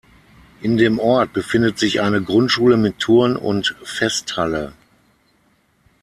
In dem Ort befindet sich eine Grundschule mit Turn- und Festhalle.